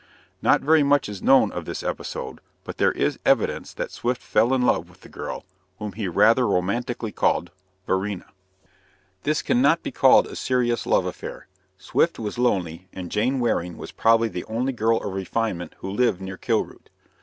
Not very much is known of this episode, but there is evidence that Swift fell in love with the girl, whom he rather romantically called "Varina." This cannot be called a serious love affair. Swift was lonely, and Jane Waring was probably the only girl of refinement who lived near Kilroot.